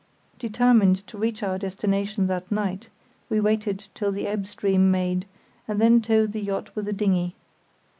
Determined to reach our destination that night we waited till the ebb stream made, and then towed the yacht with the dinghy.